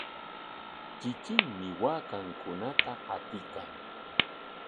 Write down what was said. Kikinmi waakankunata qatiykan.